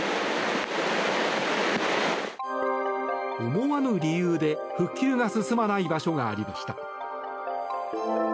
思わぬ理由で復旧が進まない場所がありました。